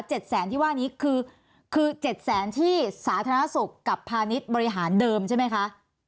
แสนที่ว่านี้คือคือเจ็ดแสนที่สาธารณสุขกับพาณิชย์บริหารเดิมใช่ไหมคะ